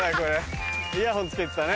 イヤホン着けてたね。